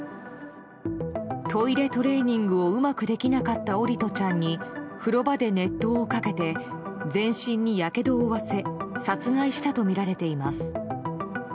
トイレトレーニングをうまくできなかった桜利斗ちゃんに風呂場で熱湯をかけて全身にやけどを負わせ殺害したとみられています。